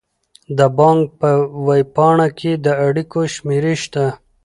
د بانک په ویب پاڼه کې د اړیکو شمیرې شته.